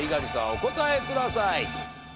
お答えください。